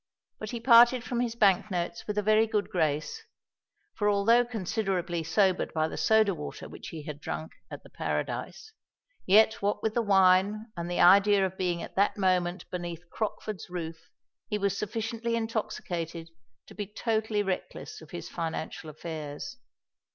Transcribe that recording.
But he parted from his bank notes with a very good grace; for, although considerably sobered by the soda water which he had drunk at the Paradise, yet what with the wine and the idea of being at that moment beneath Crockford's roof, he was sufficiently intoxicated to be totally reckless of his financial affairs.